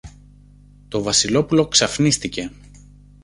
Το Βασιλόπουλο ξαφνίστηκε.